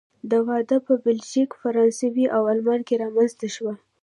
دا وده په بلژیک، فرانسې او آلمان کې رامنځته شوه.